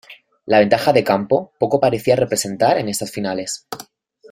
La ventaja de campo poco parecía representar en estas finales.